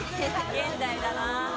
現代だな。